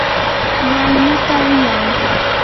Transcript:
waynuta wiyay.